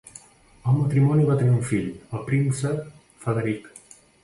El matrimoni va tenir un fill, el príncep Frederic.